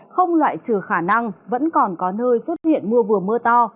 không loại trừ khả năng vẫn còn có nơi xuất hiện mưa vừa mưa to